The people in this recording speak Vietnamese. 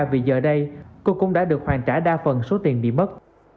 vì giờ đây cô cũng đã được hoàn trả đa phần số tiền bị mất